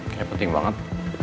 kayaknya penting banget